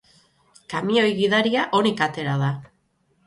Kamioi gidaria onik atera da.